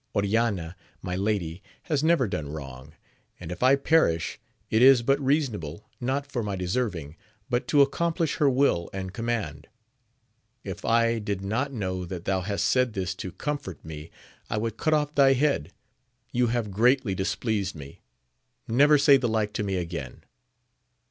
Oriana, my lady, has never done wrong ; and, if I perish, it is but reasonable, not for my deserving, but to accomplish her will and command : if I did not know that thou hast said this to comfort me, I would cut off thy head ! you have greatly displeased me : never say the like to me again